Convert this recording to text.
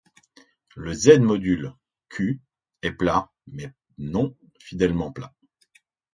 Le ℤ-module ℚ est plat mais non fidèlement plat.